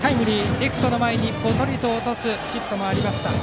レフト前にぽとりと落とすヒットがありました。